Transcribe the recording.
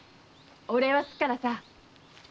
お礼はするからさ。